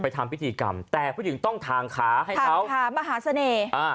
ทำพิธีกรรมแต่ผู้หญิงต้องทางขาให้เขาค่ะมหาเสน่ห์อ่า